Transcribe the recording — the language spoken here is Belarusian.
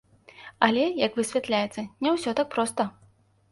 Але, як высвятляецца, не ўсё так проста.